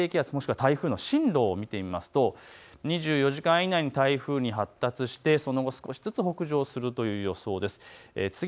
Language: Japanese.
今後の熱帯低気圧もしくは台風の進路を見ていきますと、２４時間以内に台風に発達してその後、少しずつ北上するという予想です。